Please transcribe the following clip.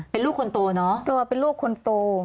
เป็นลูกคนโตเนอะตัวเป็นลูกคนโต